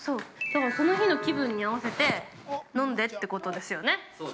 ◆だから、その日の気分に合わせて飲んでってことですよね。